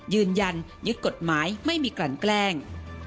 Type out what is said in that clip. ยืนยันยึดกฎหมายไม่มีกลั่นแกล้ง